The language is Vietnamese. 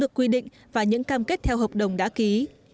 quy định và những cam kết theo hợp đồng đã ký